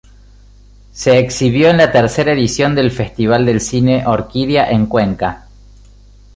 Se exhibió en la tercera edición del Festival de Cine Orquídea, en Cuenca.